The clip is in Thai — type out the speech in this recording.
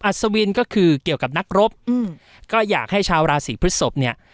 ศวินก็คือเกี่ยวกับนักรบอืมก็อยากให้ชาวราศีพฤศพเนี่ย